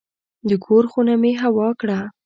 د کور خونه مې هوا کړه.